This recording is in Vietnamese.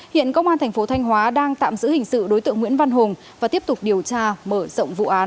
hiện công an thành phố thanh hóa đang tạm giữ hình sự đối tượng nguyễn văn hùng và tiếp tục điều tra mở rộng vụ án